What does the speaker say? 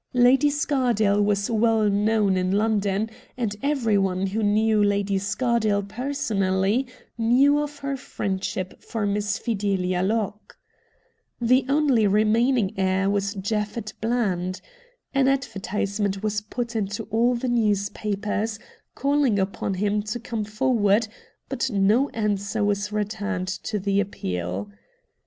Lady Scardale was well known in London, and everyone who knew Lady Scardale personally knew of her friendship for Miss Fidelia Locke. The only remaining heir was Japhet Bland. An advertisement was put into all the newspapers, calling upon him to come forward, but no answer was returned to the appeal.